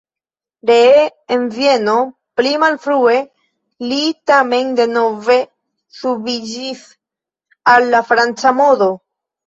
Ree en Vieno pli malfrue li tamen denove subiĝis al la franca modo.